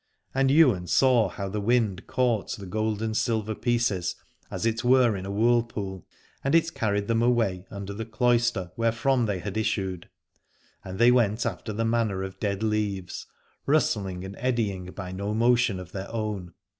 And Ywain saw how the wind caught the gold and silver pieces as it were in a whirlpool, and it carried them away under the cloister wherefrom they had issued: and they went after the manner of dead leaves, rustling and eddying by no 124 Alad ore motion of their own.